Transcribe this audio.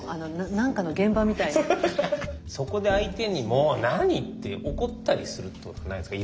そこで相手に「もう何！」って怒ったりするってことないですか？